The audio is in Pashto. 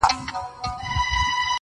o او بېوفايي ، يې سمه لکه خور وگڼه.